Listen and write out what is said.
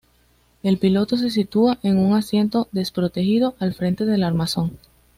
El piloto se sitúa en un asiento desprotegido, al frente del armazón.